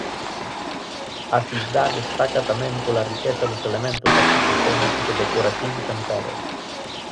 A Cibdá destaca tamén pola riqueza dos elementos arquitectónicos e decorativos en pedra.